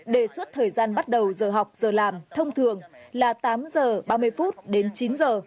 đề xuất thời gian bắt đầu giờ học giờ làm thông thường là tám h ba mươi đến chín h